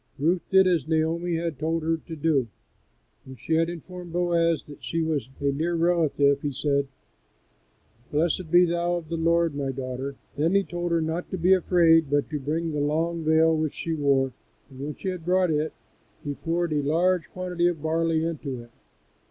Ruth did as Naomi had told her to do. When she had informed Boaz that she was a near relative he said, "Blessed be thou of the Lord, my daughter." Then he told her not to be afraid, but to bring the long veil which she wore, and when she had brought it he poured a large quantity of barley into it.